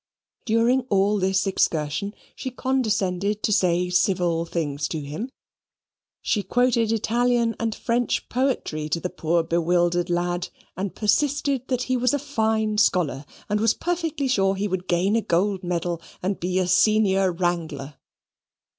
During all this excursion, she condescended to say civil things to him: she quoted Italian and French poetry to the poor bewildered lad, and persisted that he was a fine scholar, and was perfectly sure he would gain a gold medal, and be a Senior Wrangler.